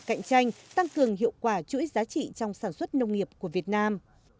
nâng cao năng lực cạnh tranh tăng cường hiệu quả chuỗi giá trị trong sản xuất nông nghiệp của việt nam